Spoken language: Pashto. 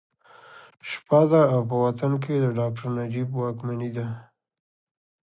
شپه ده او په وطن کې د ډاکټر نجیب واکمني ده